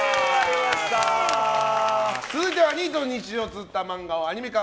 続いてはニートの日常をつづった漫画をアニメ化。